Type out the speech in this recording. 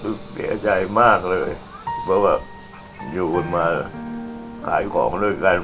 คือเสียใจมากเลยเพราะว่าอยู่กันมาขายของด้วยกัน